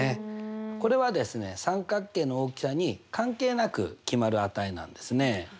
これは三角形の大きさに関係なく決まる値なんですね。